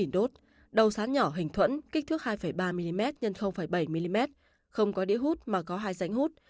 đốt đầu sán nhỏ hình thuẫn kích thước hai ba mm x bảy mm không có đĩa hút mà có hai dãnh hút